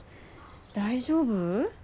大丈夫？